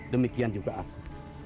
demikian juga aku